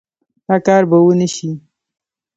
دا کار به ونشي